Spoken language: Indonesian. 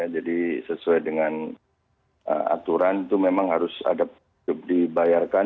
jadi sesuai dengan aturan itu memang harus ada dibayarkan